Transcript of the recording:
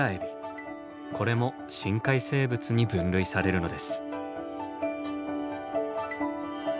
これも深海生物に分類されるのです。